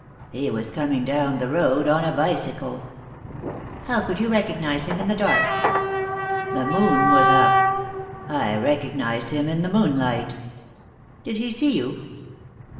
He was coming down the road on a bicycle." "How could you recognise him in the dark?" "The moon was up. I recognised him in the moonlight." "Did he see you?"